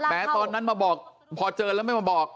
ตอนนั้นมาบอกพอเจอแล้วไม่มาบอก